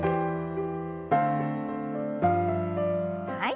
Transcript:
はい。